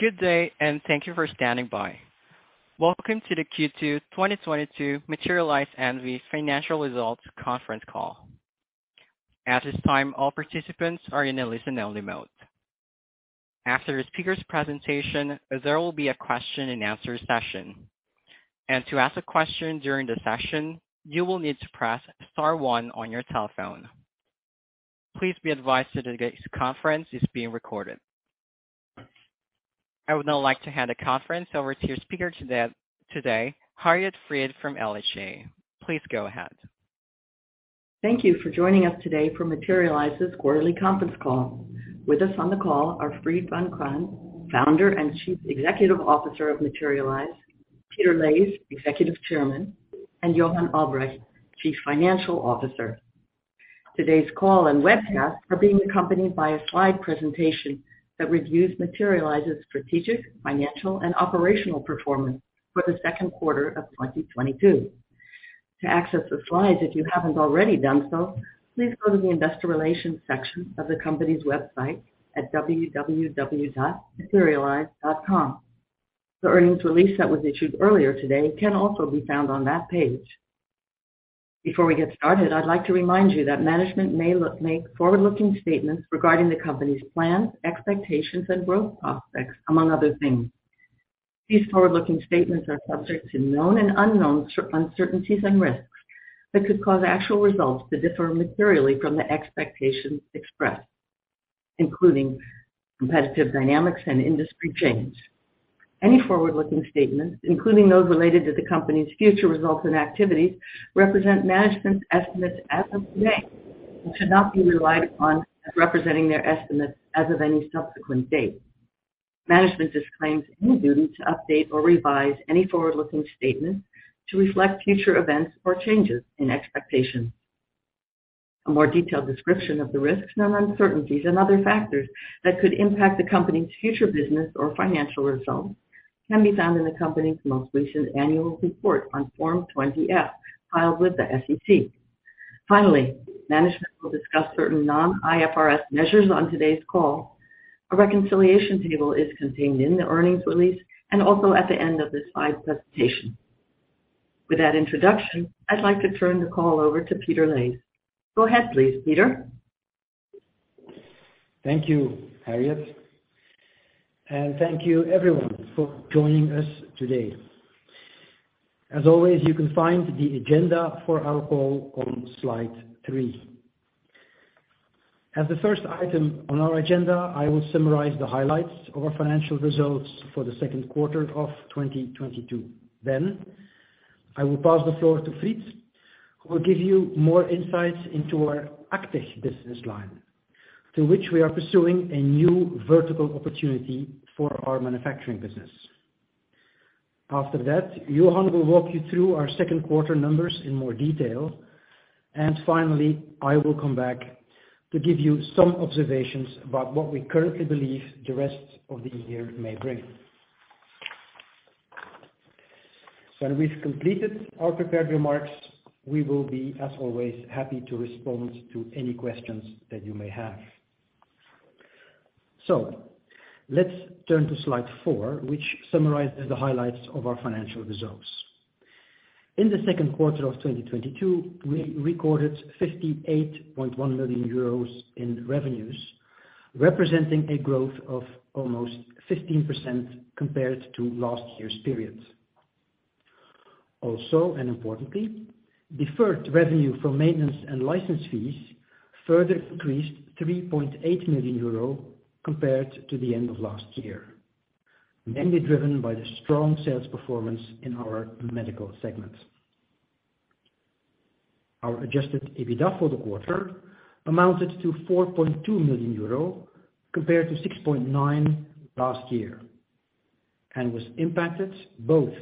Good day, thank you for standing by. Welcome to the Q2 2022 Materialise NV financial results conference call. At this time, all participants are in a listen-only mode. After the speaker's presentation, there will be a question and answer session. To ask a question during the session, you will need to press star one on your telephone. Please be advised that today's conference is being recorded. I would now like to hand the conference over to your speaker today, Harriet Fried from LHA. Please go ahead. Thank you for joining us today for Materialise's quarterly conference call. With us on the call are Fried Vancraen, Founder and Chief Executive Officer of Materialise, Peter Leys, Executive Chairman, and Johan Albrecht, Chief Financial Officer. Today's call and webcast are being accompanied by a slide presentation that reviews Materialise's strategic, financial, and operational performance for the second quarter of 2022. To access the slides if you haven't already done so, please go to the investor relations section of the company's website at www.materialise.com. The earnings release that was issued earlier today can also be found on that page. Before we get started, I'd like to remind you that management may make forward-looking statements regarding the company's plans, expectations, and growth prospects, among other things. These forward-looking statements are subject to known and unknown uncertainties and risks that could cause actual results to differ materially from the expectations expressed, including competitive dynamics and industry change. Any forward-looking statements, including those related to the company's future results and activities, represent management's estimates as of today, and should not be relied upon as representing their estimates as of any subsequent date. Management disclaims any duty to update or revise any forward-looking statements to reflect future events or changes in expectations. A more detailed description of the risks and uncertainties and other factors that could impact the company's future business or financial results can be found in the company's most recent annual report on Form 20-F filed with the SEC. Finally, management will discuss certain non-IFRS measures on today's call. A reconciliation table is contained in the earnings release and also at the end of this slide presentation. With that introduction, I'd like to turn the call over to Peter Leys. Go ahead please, Peter. Thank you, Harriet, and thank you everyone for joining us today. As always, you can find the agenda for our call on slide three. As the first item on our agenda, I will summarize the highlights of our financial results for the second quarter of 2022. I will pass the floor to Fried, who will give you more insights into our active business line, through which we are pursuing a new vertical opportunity for our manufacturing business. After that, Johan will walk you through our second quarter numbers in more detail. Finally, I will come back to give you some observations about what we currently believe the rest of the year may bring. When we've completed our prepared remarks, we will be, as always, happy to respond to any questions that you may have. Let's turn to slide four, which summarizes the highlights of our financial results. In the second quarter of 2022, we recorded 58.1 million euros in revenues, representing a growth of almost 15% compared to last year's period. Also, and importantly, deferred revenue for maintenance and license fees further increased 3.8 million euro compared to the end of last year, mainly driven by the strong sales performance in our medical segment. Our adjusted EBITDA for the quarter amounted to 4.2 million euro compared to 6.9 million last year, and was impacted both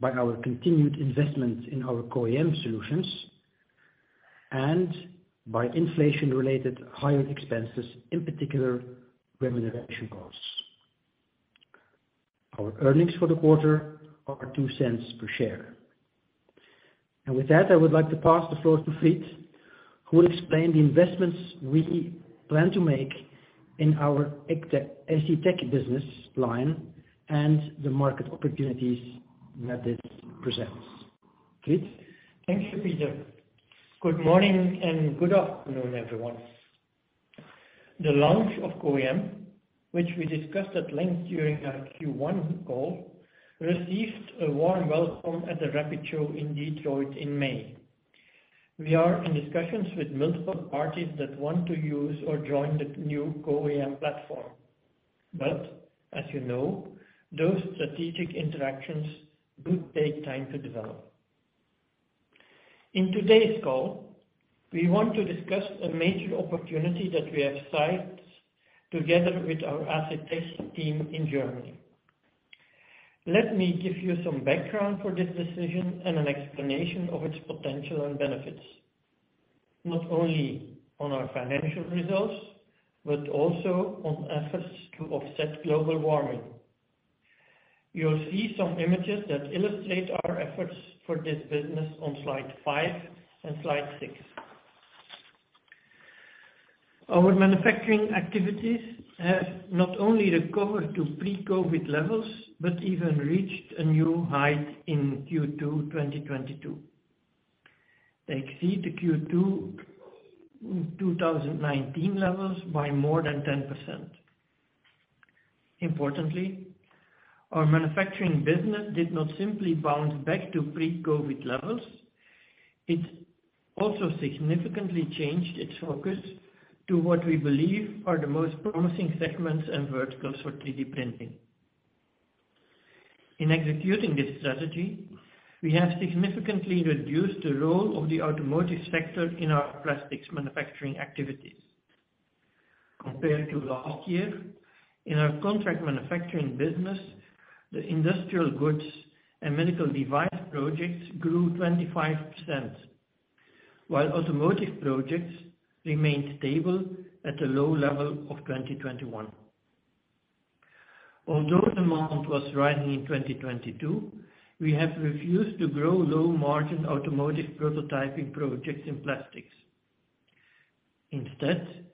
by our continued investment in our CO-AM solutions and by inflation-related higher expenses, in particular, remuneration costs. Our earnings for the quarter are 0.02 per share. With that, I would like to pass the floor to Fried, who will explain the investments we plan to make in our ACTech business line and the market opportunities that this presents. Fried. Thank you, Peter. Good morning and good afternoon, everyone. The launch of CO-AM, which we discussed at length during our Q1 call, received a warm welcome at the RAPID show in Detroit in May. We are in discussions with multiple parties that want to use or join the new CO-AM platform. As you know, those strategic interactions do take time to develop. In today's call, we want to discuss a major opportunity that we have sized together with our ACTech team in Germany. Let me give you some background for this decision and an explanation of its potential and benefits, not only on our financial results, but also on efforts to offset global warming. You'll see some images that illustrate our efforts for this business on slide five and slide six. Our manufacturing activities have not only recovered to pre-COVID levels, but even reached a new height in Q2 2022. They exceed the Q2 2019 levels by more than 10%. Importantly, our manufacturing business did not simply bounce back to pre-COVID levels. It also significantly changed its focus to what we believe are the most promising segments and verticals for 3D printing. In executing this strategy, we have significantly reduced the role of the automotive sector in our plastics manufacturing activities. Compared to last year, in our contract manufacturing business, the industrial goods and medical device projects grew 25%, while automotive projects remained stable at a low level of 2021. Although demand was rising in 2022, we have refused to grow low margin automotive prototyping projects in plastics. Instead,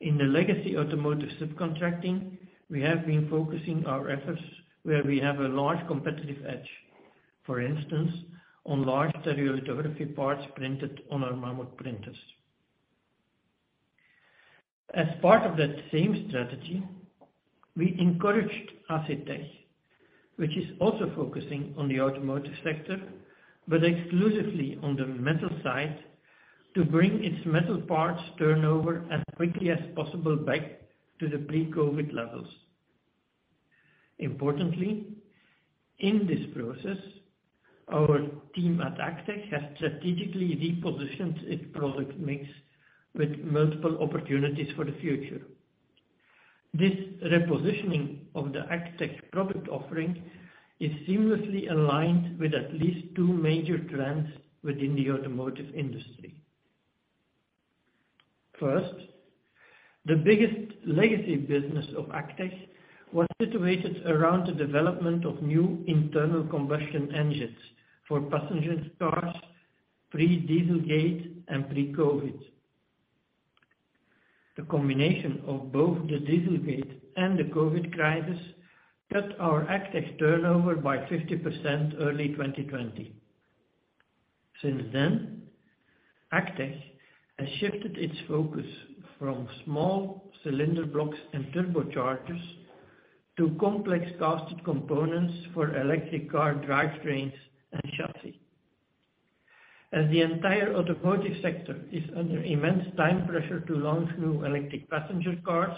in the legacy automotive subcontracting, we have been focusing our efforts where we have a large competitive edge, for instance, on large stereolithography parts printed on our Mammoth printers. As part of that same strategy, we encouraged ACTech, which is also focusing on the automotive sector but exclusively on the metal side, to bring its metal parts turnover as quickly as possible back to the pre-COVID levels. Importantly, in this process, our team at ACTech has strategically repositioned its product mix with multiple opportunities for the future. This repositioning of the ACTech product offering is seamlessly aligned with at least two major trends within the automotive industry. First, the biggest legacy business of ACTech was situated around the development of new internal combustion engines for passenger cars, pre-Dieselgate and pre-COVID. The combination of both the Dieselgate and the COVID crisis cut our ACTech turnover by 50% early 2020. Since then, ACTech has shifted its focus from small cylinder blocks and turbochargers to complex cast components for electric car drivetrains and chassis. As the entire automotive sector is under immense time pressure to launch new electric passenger cars,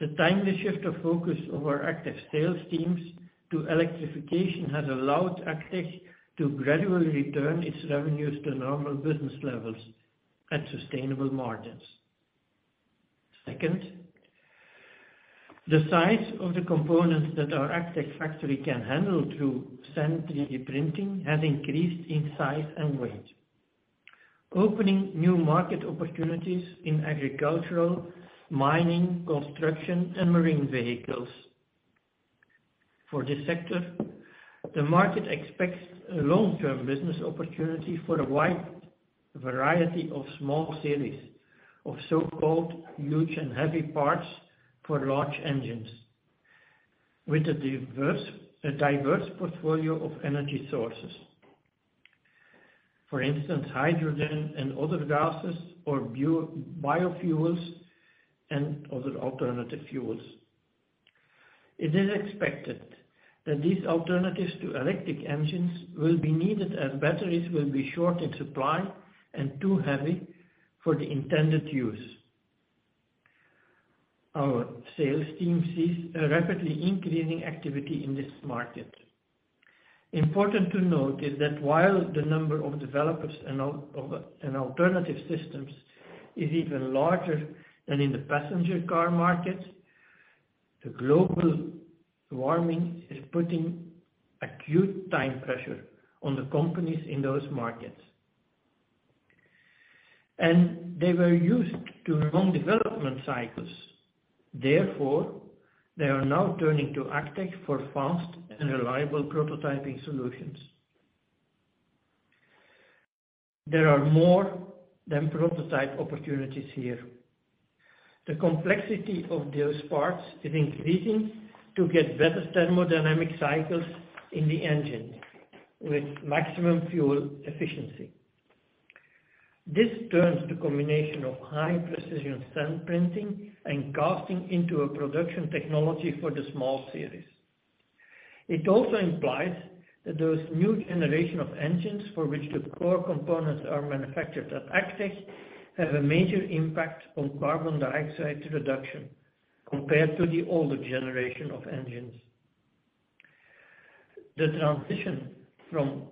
the timely shift of focus of our ACTech sales teams to electrification has allowed ACTech to gradually return its revenues to normal business levels at sustainable margins. Second, the size of the components that our ACTech factory can handle through sand 3D printing has increased in size and weight, opening new market opportunities in agricultural, mining, construction, and marine vehicles. For this sector, the market expects a long-term business opportunity for a wide variety of small series of so-called huge and heavy parts for large engines with a diverse portfolio of energy sources. For instance, hydrogen and other gases or biofuels and other alternative fuels. It is expected that these alternatives to electric engines will be needed as batteries will be short in supply and too heavy for the intended use. Our sales team sees a rapidly increasing activity in this market. Important to note is that while the number of developers and alternative systems is even larger than in the passenger car market, the global warming is putting acute time pressure on the companies in those markets. They were used to long development cycles. Therefore, they are now turning to ACTech for fast and reliable prototyping solutions. There are more than prototype opportunities here. The complexity of those parts is increasing to get better thermodynamic cycles in the engine with maximum fuel efficiency. This turns the combination of high precision sand printing and casting into a production technology for the small series. It also implies that those new generation of engines for which the core components are manufactured at ACTech have a major impact on carbon dioxide reduction compared to the older generation of engines. The transition from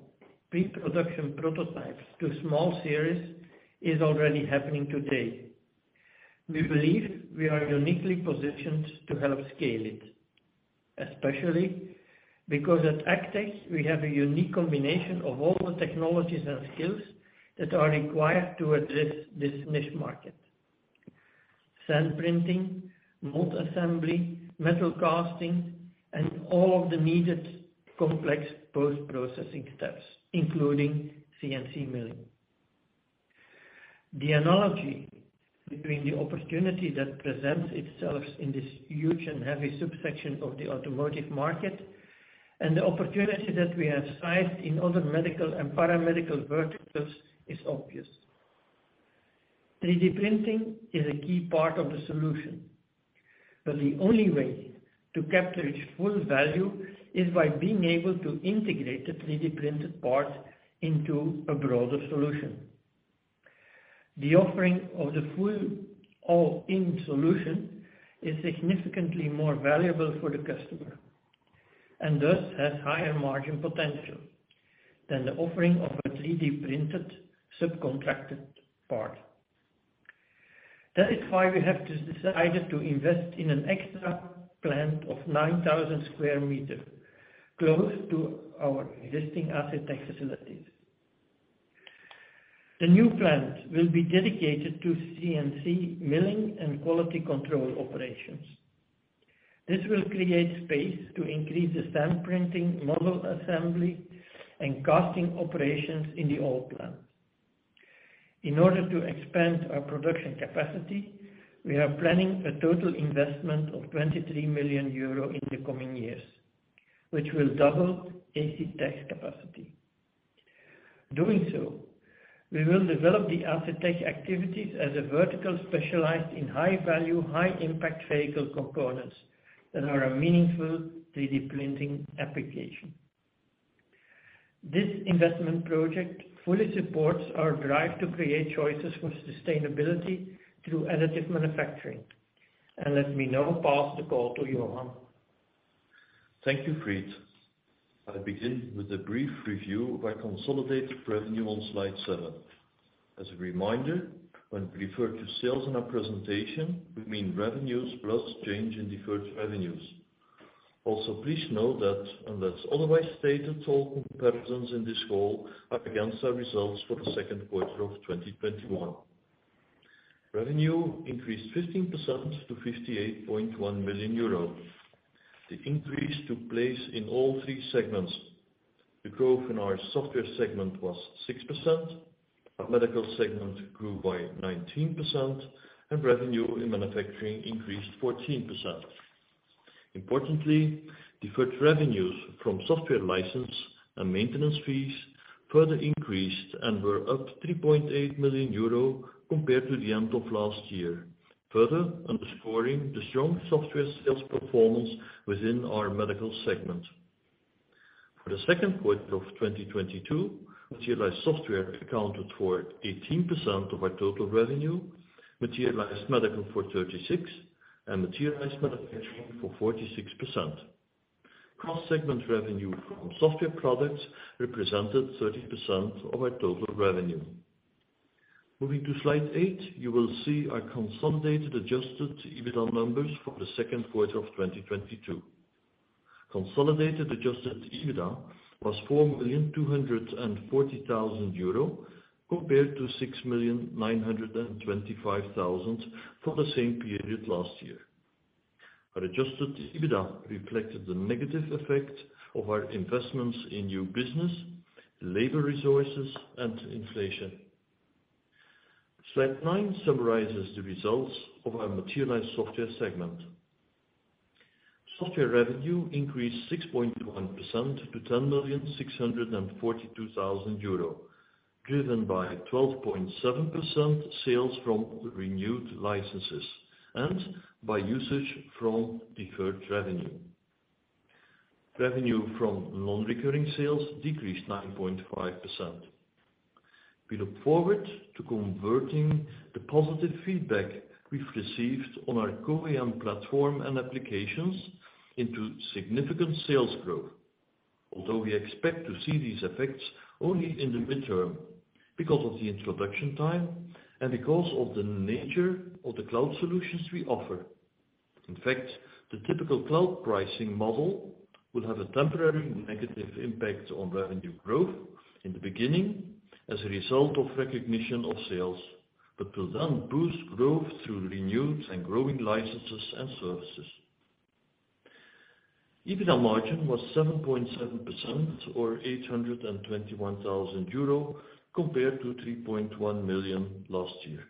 pre-production prototypes to small series is already happening today. We believe we are uniquely positioned to help scale it, especially because at ACTech we have a unique combination of all the technologies and skills that are required to address this niche market. Sand printing, mold assembly, metal casting, and all of the needed complex post-processing steps, including CNC milling. The analogy between the opportunity that presents itself in this huge and heavy subsection of the automotive market, and the opportunity that we have sized in other medical and paramedical verticals is obvious. 3D printing is a key part of the solution, but the only way to capture its full value is by being able to integrate the 3D printed parts into a broader solution. The offering of the full all-in solution is significantly more valuable for the customer, and thus has higher margin potential than the offering of a 3D printed subcontracted part. That is why we have decided to invest in an extra plant of 9,000 sq m close to our existing ACTech facilities. The new plant will be dedicated to CNC milling and quality control operations. This will create space to increase the sand 3D printing model assembly and casting operations in the old plant. In order to expand our production capacity, we are planning a total investment of 23 million euro in the coming years, which will double ACTech's capacity. Doing so, we will develop the ACTech activities as a vertical, specialized in high-value, high-impact vehicle components that are a meaningful 3D printing application. This investment project fully supports our drive to create choices for sustainability through additive manufacturing. Let me now pass the call to Johan. Thank you, Fried. I'll begin with a brief review of our consolidated revenue on slide seven. As a reminder, when we refer to sales in our presentation, we mean revenues plus change in deferred revenues. Also, please note that unless otherwise stated, total comparisons in this call are against our results for the second quarter of 2021. Revenue increased 15% to 58.1 million euro. The increase took place in all three segments. The growth in our software segment was 6%. Our medical segment grew by 19%, and revenue in manufacturing increased 14%. Importantly, deferred revenues from software license and maintenance fees further increased and were up 3.8 million euro compared to the end of last year, further underscoring the strong software sales performance within our medical segment. For the second quarter of 2022, Materialise Software accounted for 18% of our total revenue, Materialise Medical for 36%, and Materialise Manufacturing for 46%. Cross-segment revenue from software products represented 30% of our total revenue. Moving to slide eight, you will see our consolidated adjusted EBITDA numbers for the second quarter of 2022. Consolidated adjusted EBITDA was 4,240,000 euro, compared to 6,925,000 for the same period last year. Our adjusted EBITDA reflected the negative effect of our investments in new business, labor resources, and inflation. Slide nine summarizes the results of our Materialise Software segment. Software revenue increased 6.1% to 10,642,000 euro, driven by 12.7% sales from renewed licenses and by usage from deferred revenue. Revenue from non-recurring sales decreased 9.5%. We look forward to converting the positive feedback we've received on our CO-AM platform and applications into significant sales growth. Although we expect to see these effects only in the midterm because of the introduction time and because of the nature of the cloud solutions we offer. In fact, the typical cloud pricing model will have a temporary negative impact on revenue growth in the beginning as a result of recognition of sales, but will then boost growth through renewed and growing licenses and services. EBITDA margin was 7.7% or 821,000 euro, compared to 3.1 million last year.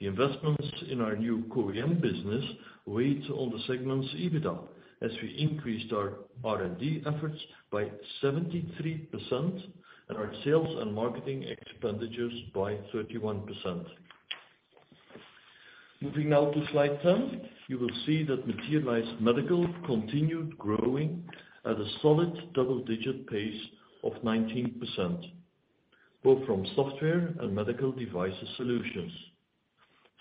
The investments in our new CO-AM business weighed on the segment's EBITDA, as we increased our R&D efforts by 73% and our sales and marketing expenditures by 31%. Moving now to slide 10, you will see that Materialise Medical continued growing at a solid double-digit pace of 19%, both from software and medical device solutions.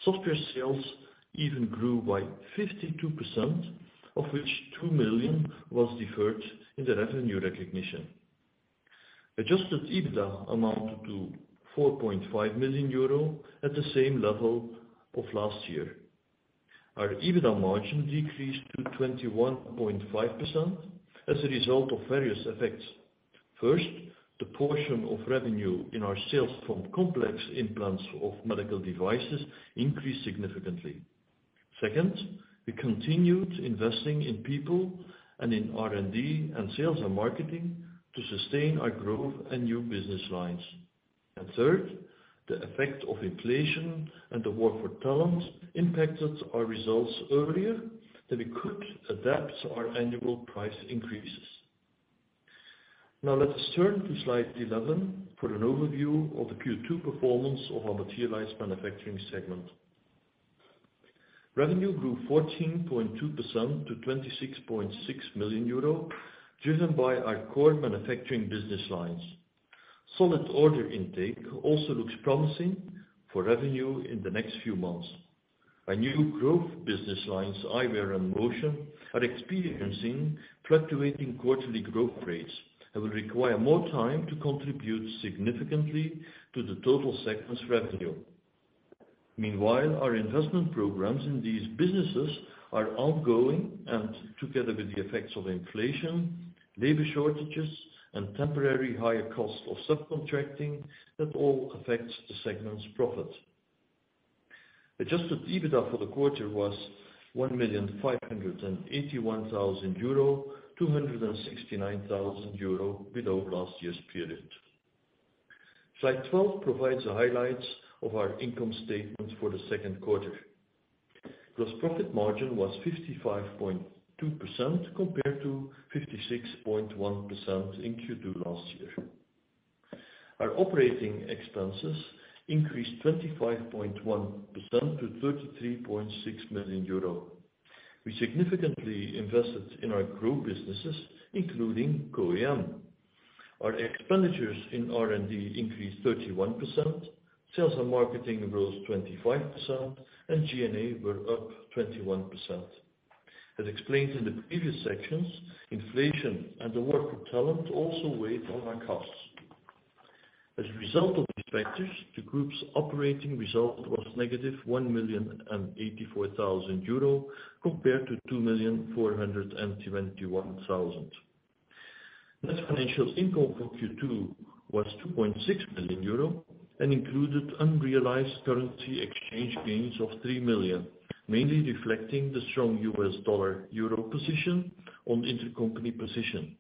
Software sales even grew by 52%, of which 2 million was deferred in the revenue recognition. Adjusted EBITDA amounted to 4.5 million euro at the same level of last year. Our EBITDA margin decreased to 21.5% as a result of various effects. First, the portion of revenue in our sales from complex implants of medical devices increased significantly. Second, we continued investing in people and in R&D and sales and marketing to sustain our growth and new business lines. Third, the effect of inflation and the war for talent impacted our results earlier than we could adapt our annual price increases. Now let us turn to slide 11 for an overview of the Q2 performance of our Materialise Manufacturing segment. Revenue grew 14.2% to 26.6 million euro, driven by our core manufacturing business lines. Solid order intake also looks promising for revenue in the next few months. Our new growth business lines, eyewear and motion, are experiencing fluctuating quarterly growth rates that will require more time to contribute significantly to the total segment's revenue. Meanwhile, our investment programs in these businesses are ongoing, and together with the effects of inflation, labor shortages and temporary higher cost of subcontracting, that all affects the segment's profit. Adjusted EBITDA for the quarter was 1,581,000 euro, 269,000 euro below last year's period. Slide 12 provides the highlights of our income statement for the second quarter. Gross profit margin was 55.2% compared to 56.1% in Q2 last year. Our operating expenses increased 25.1% to 33.6 million euro. We significantly invested in our growth businesses, including CO-AM. Our expenditures in R&D increased 31%, sales and marketing rose 25%, and G&A were up 21%. As explained in the previous sections, inflation and the war for talent also weighed on our costs. As a result of these factors, the group's operating result was negative 1,084,000 euro compared to 2,421,000. Net financial income for Q2 was 2.6 million euro and included unrealized currency exchange gains of 3 million, mainly reflecting the strong U.S. dollar euro position on intercompany position.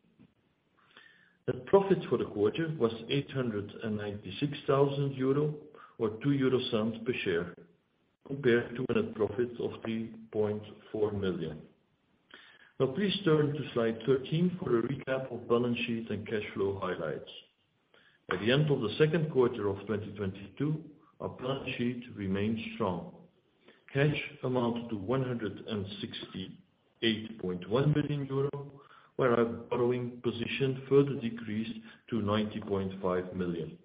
Net profits for the quarter was 896,000 euro or 0.02 per share, compared to net profits of 3.4 million. Now please turn to slide 13 for a recap of balance sheet and cash flow highlights. At the end of the second quarter of 2022, our balance sheet remained strong. Cash amounted to 168.1 million euro, while our borrowing position further decreased to 90.5 million.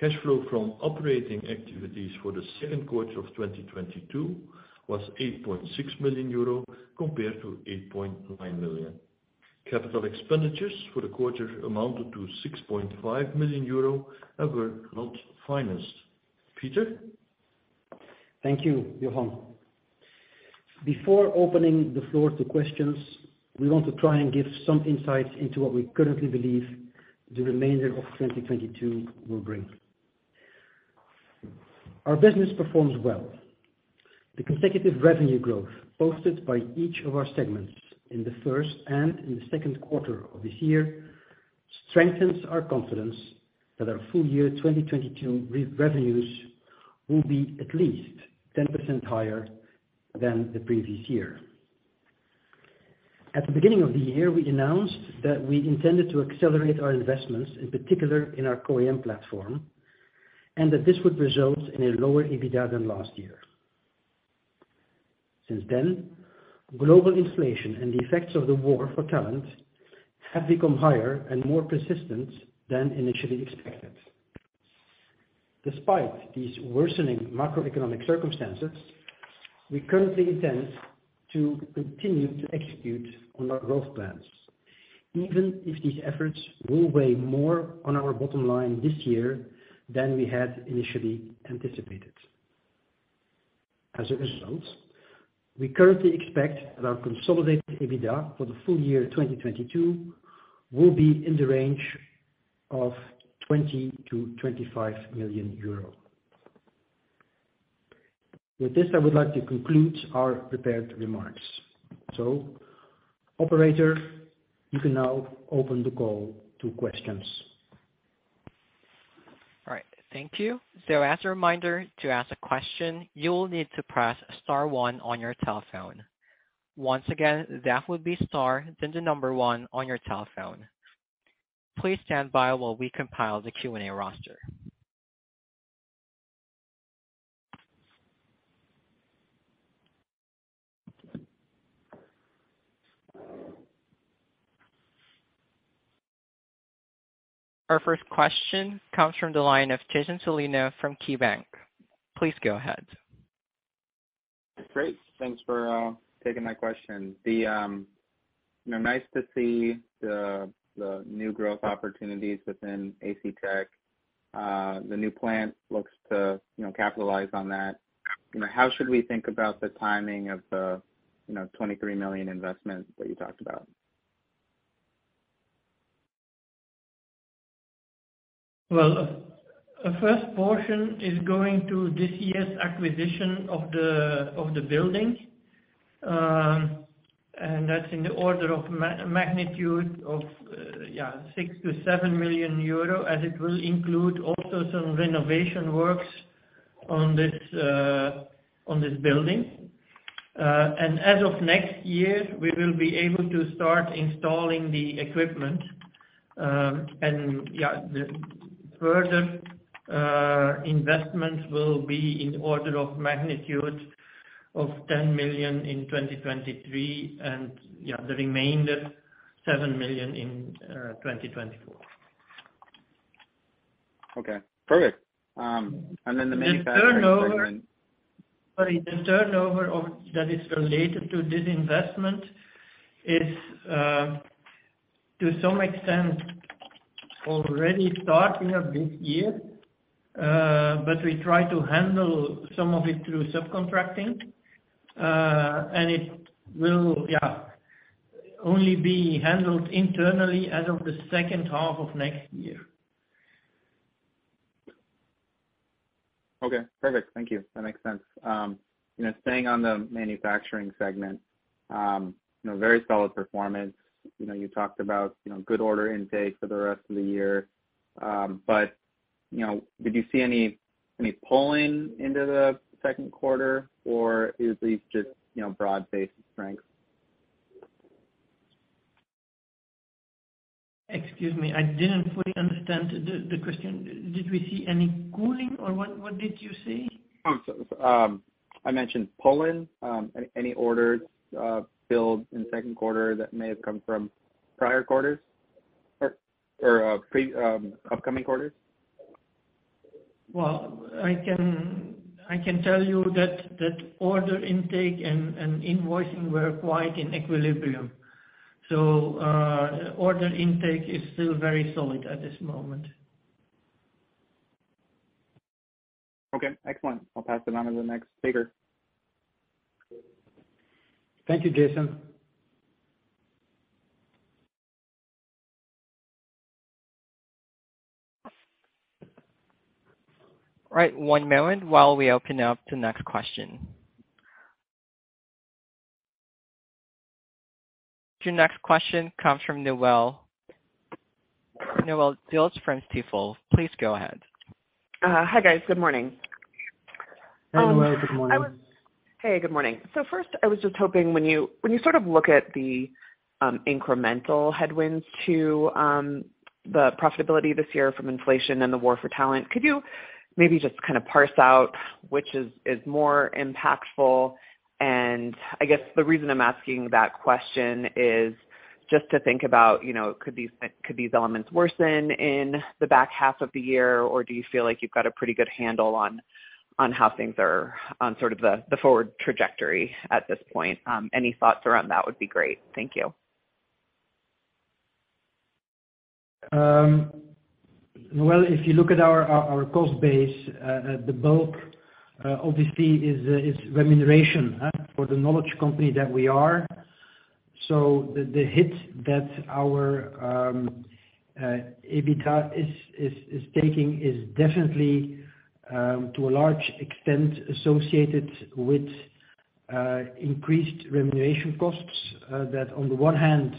Cash flow from operating activities for the second quarter of 2022 was 8.6 million euro compared to 8.9 million. Capital expenditures for the quarter amounted to 6.5 million euro and were not financed. Peter? Thank you, Johan. Before opening the floor to questions, we want to try and give some insights into what we currently believe the remainder of 2022 will bring. Our business performs well. The consecutive revenue growth posted by each of our segments in the first and in the second quarter of this year strengthens our confidence that our full year 2022 revenues will be at least 10% higher than the previous year. At the beginning of the year, we announced that we intended to accelerate our investments, in particular in our CO-AM platform, and that this would result in a lower EBITDA than last year. Since then, global inflation and the effects of the war for talent have become higher and more persistent than initially expected. Despite these worsening macroeconomic circumstances, we currently intend to continue to execute on our growth plans, even if these efforts will weigh more on our bottom line this year than we had initially anticipated. As a result, we currently expect that our consolidated EBITDA for the full year 2022 will be in the range of EUR 20 million-EUR 25 million. With this, I would like to conclude our prepared remarks. Operator, you can now open the call to questions. All right. Thank you. As a reminder to ask a question, you will need to press star one on your telephone. Once again, that would be star then the number one on your telephone. Please stand by while we compile the Q&A roster. Our first question comes from the line of Jason Celino from KeyBanc. Please go ahead. Great. Thanks for taking my question. Nice to see the new growth opportunities within ACTech. The new plant looks to, you know, capitalize on that. You know, how should we think about the timing of the, you know, 23 million investment that you talked about? Well, a first portion is going to this year's acquisition of the building. That's in the order of magnitude of 6 million-7 million euro, as it will include also some renovation works on this building. As of next year, we will be able to start installing the equipment. The further investments will be in order of magnitude of 10 million in 2023 and the remainder 7 million in 2024. Okay, perfect. The manufacturing. The turnover of that is related to this investment is, to some extent, already starting of this year. We try to handle some of it through subcontracting. It will only be handled internally as of the second half of next year. Okay, perfect. Thank you. That makes sense. You know, staying on the manufacturing segment, you know, very solid performance. You know, you talked about, you know, good order intake for the rest of the year. But, you know, did you see any pulling into the second quarter, or is this just, you know, broad-based strength? Excuse me, I didn't fully understand the question. Did we see any cooling or what did you say? I mentioned pulling any orders filled in second quarter that may have come from prior quarters or upcoming quarters. Well, I can tell you that order intake and invoicing were quite in equilibrium, so order intake is still very solid at this moment. Okay, excellent. I'll pass it on to the next speaker. Thank you, Jason. All right. One moment while we open up the next question. Your next question comes from Noelle Dilts from Stifel, please go ahead. Hi, guys. Good morning. Hi, Noelle. Good morning. Hey, good morning. First, I was just hoping when you sort of look at the incremental headwinds to the profitability this year from inflation and the war for talent, could you maybe just kinda parse out which is more impactful? I guess the reason I'm asking that question is just to think about, you know, could these elements worsen in the back half of the year, or do you feel like you've got a pretty good handle on how things are on sort of the forward trajectory at this point? Any thoughts around that would be great. Thank you. Well, if you look at our cost base, the bulk obviously is remuneration for the knowledge company that we are. The hit that our EBITDA is taking is definitely to a large extent associated with increased remuneration costs that on the one hand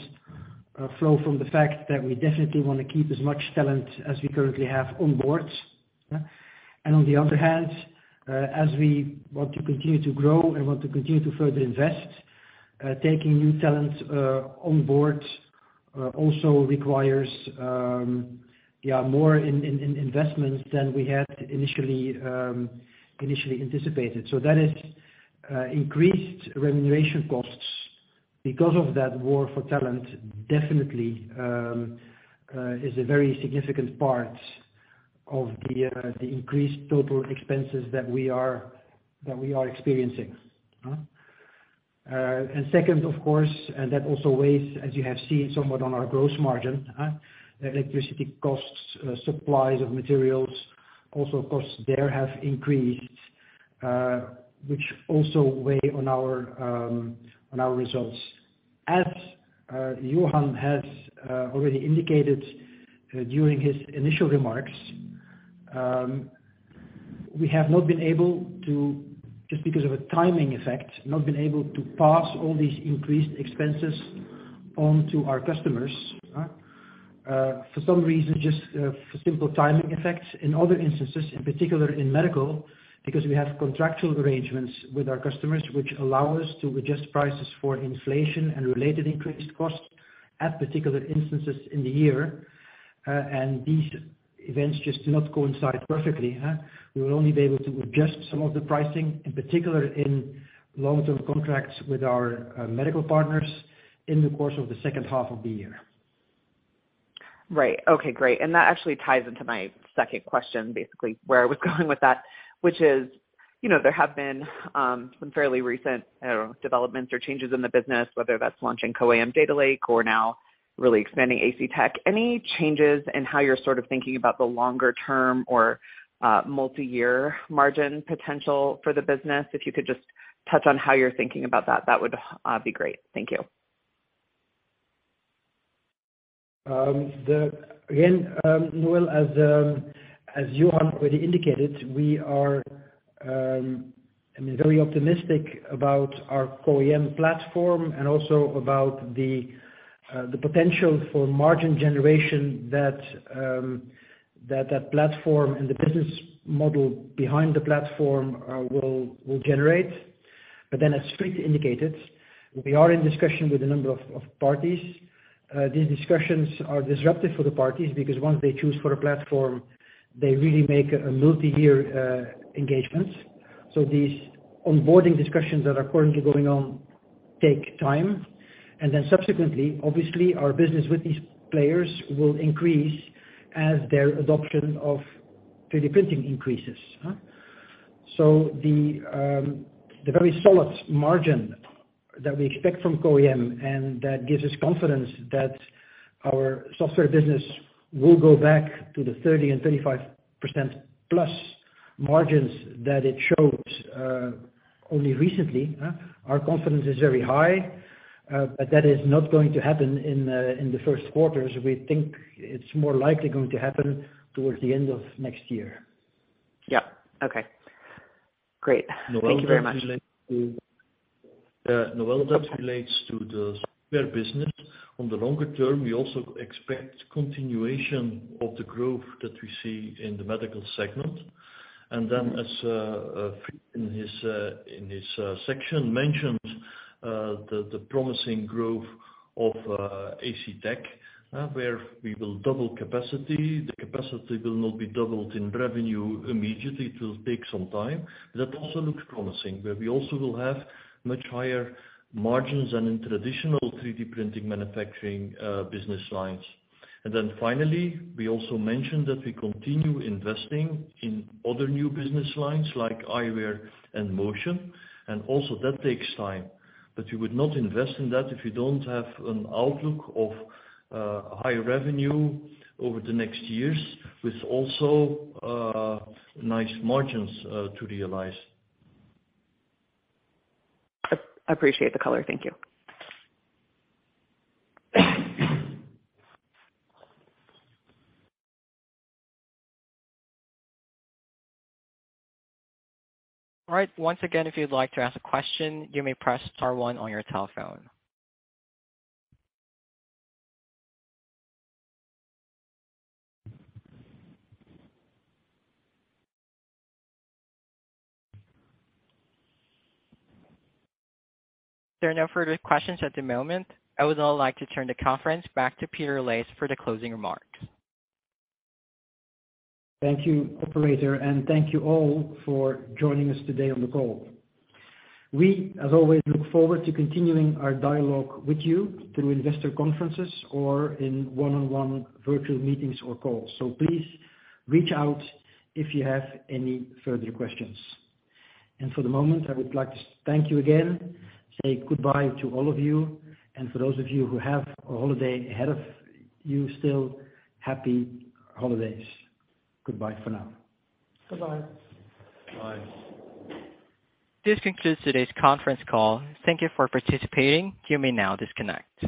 flow from the fact that we definitely wanna keep as much talent as we currently have on board. On the other hand, as we want to continue to grow and want to continue to further invest, taking new talent on board also requires more investments than we had initially anticipated. That is increased remuneration costs because of that war for talent, definitely, is a very significant part of the increased total expenses that we are experiencing. Second, of course, and that also weighs, as you have seen, somewhat on our gross margin. Electricity costs, supplies of materials also costs there have increased, which also weigh on our results. As Johan has already indicated during his initial remarks, we have not been able to pass all these increased expenses on to our customers just because of a timing effect, for some reason, just for simple timing effects. In other instances, in particular in medical, because we have contractual arrangements with our customers, which allow us to adjust prices for inflation and related increased costs at particular instances in the year. These events just do not coincide perfectly. We will only be able to adjust some of the pricing, in particular in long-term contracts with our medical partners in the course of the second half of the year. Right. Okay, great. That actually ties into my second question, basically where I was going with that, which is, you know, there have been some fairly recent, I don't know, developments or changes in the business, whether that's launching CO-AM data lake or now really expanding ACTech. Any changes in how you're sort of thinking about the longer term or multiyear margin potential for the business? If you could just touch on how you're thinking about that would be great. Thank you. Again, Noelle, as Johan already indicated, we are very optimistic about our CO-AM platform and also about the potential for margin generation that platform and the business model behind the platform will generate. As Fried indicated, we are in discussion with a number of parties. These discussions are disruptive for the parties because once they choose for a platform, they really make a multiyear engagement. These onboarding discussions that are currently going on take time. Subsequently, obviously, our business with these players will increase as their adoption of 3D printing increases. The very solid margin that we expect from CO-AM, and that gives us confidence that our software business will go back to the 30%-35%+ margins that it shows only recently. Our confidence is very high, but that is not going to happen in the first quarters. We think it's more likely going to happen towards the end of next year. Yeah. Okay. Great. Thank you very much. Noelle, that relates to the software business. On the longer term, we also expect continuation of the growth that we see in the medical segment. As Fried in his section mentioned, the promising growth of ACTech, where we will double capacity. The capacity will not be doubled in revenue immediately, it will take some time. That also looks promising, where we also will have much higher margins than in traditional 3D printing manufacturing business lines. We also mentioned that we continue investing in other new business lines like eyewear and motion, and also that takes time. You would not invest in that if you don't have an outlook of high revenue over the next years with also nice margins to realize. Appreciate the color. Thank you. All right. Once again, if you'd like to ask a question, you may press star one on your telephone. There are no further questions at the moment. I would now like to turn the conference back to Peter Leys for the closing remarks. Thank you, operator, and thank you all for joining us today on the call. We, as always, look forward to continuing our dialogue with you through investor conferences or in one-on-one virtual meetings or calls. Please reach out if you have any further questions. For the moment, I would like to thank you again, say goodbye to all of you. For those of you who have a holiday ahead of you still, happy holidays. Goodbye for now. Goodbye. Bye. This concludes today's conference call. Thank you for participating. You may now disconnect.